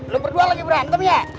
lu berdua lagi berantem ya